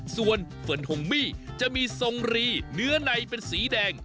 ส่วนเฟิร์นฮงมี่จะมีทรงรีเนื้อในเป็นสีแดง